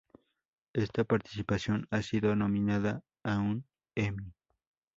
Esta participación ha sido nominada a un Emmy.